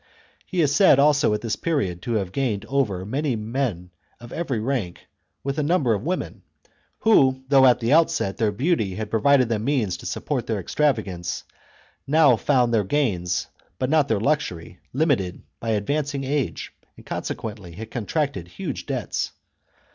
He is said also at this period to have gained over many men of every rank, with a number of wometi, who, though at the outset their beauty had provided them means to support their extravagance, now found their gains, but not their luxury, limited by advancing age, and consequently had contracted huge debts.